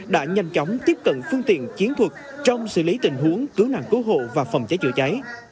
đã nhanh chóng tiếp cận phương tiện chiến thuật trong xử lý tình huống cứu nạn cứu hộ và phòng cháy chữa cháy